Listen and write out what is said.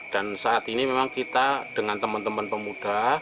saat ini memang kita dengan teman teman pemuda